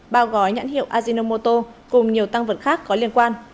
bao gói nhãn hiệu ajinomoto cùng nhiều tăng vật khác có liên quan